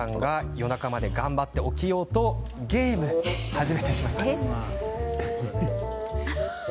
夜中まで頑張って起きていようとゲームを始めてしまいます。